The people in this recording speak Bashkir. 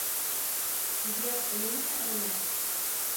һеҙгә ҡыйынмы әллә?